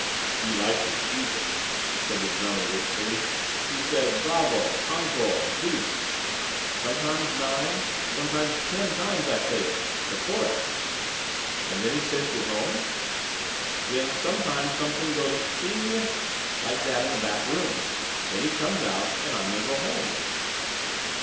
"He liked it—Egypt," said the German wistfully. "He said: 'Bravo! Encore! Bis!' Sometimes nine, sometimes ten times over I play it, the chorus." "And then he sent you home?" "Then sometimes something goes 'sping g g g g!' like that in the back room. Then he comes out and I may go home."